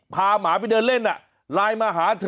หมาไปเดินเล่นไลน์มาหาเธอ